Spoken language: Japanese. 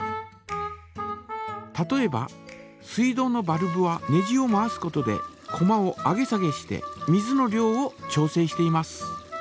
例えば水道のバルブはネジを回すことでこまを上げ下げして水の量を調整しています。